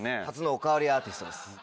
初の「お代わりアーティスト」です。